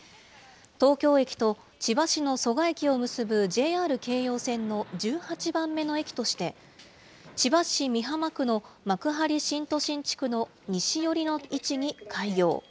東京駅と千葉市の蘇我駅を結ぶＪＲ京葉線の１８番目の駅として、千葉市美浜区の幕張新都心地区の西寄りの位置に開業。